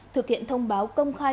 thực hiện thông báo công khai